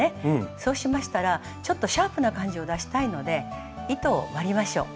そうしましたらちょっとシャープな感じを出したいので糸を割りましょう。